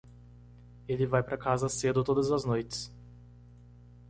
Ele vai para casa cedo todas as noites.